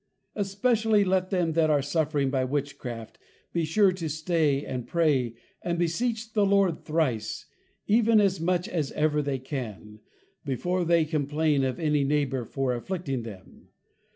Especially, Let them that are Suffering by Witchcraft, be sure to stay and pray, and Beseech the Lord thrice, even as much as ever they can, before they complain of any Neighbour for afflicting them.